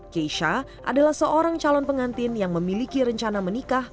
keisha adalah seorang calon pengantin yang memiliki rencana menikah